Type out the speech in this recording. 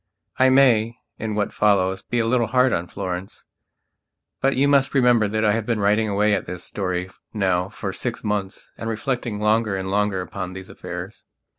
(I may, in what follows, be a little hard on Florence; but you must remember that I have been writing away at this story now for six months and reflecting longer and longer upon these affairs.)